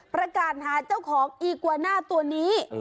ประกาศหาเจ้าของอีกวาน่าตัวนี้